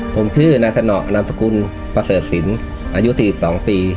ผมชื่อนายสนอนามสกุลประเสริฐศิลป์อายุ๔๒ปี